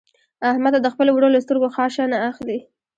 احمده د خپل ورور له سترګو خاشه نه اخلي.